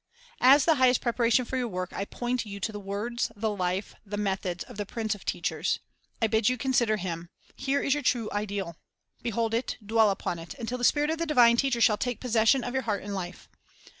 3 As the highest preparation for your work, I point you to the words, the life, the methods, of the Prince of teachers. I bid you consider Him. Here is your true ideal. Behold it, dwell upon it, until the Spirit of the divine Teacher shall take possession of your heart and life.